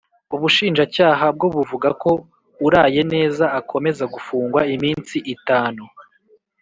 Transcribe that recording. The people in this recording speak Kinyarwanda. Ubushinjacyaha bwo buvuga ko Urayeneza akomeza gufungwa iminsi itanu